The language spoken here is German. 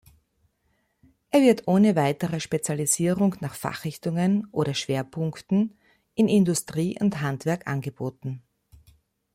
Er wird ohne weitere Spezialisierung nach Fachrichtungen oder Schwerpunkten in Industrie und Handwerk angeboten.